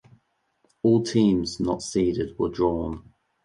All teams not seeded were drawn.